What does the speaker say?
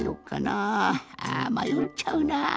あまよっちゃうなぁ。